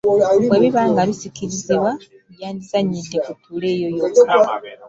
Bwe biba nga bisikirizibwa, byandizannyidde ku ttule eyo yokka.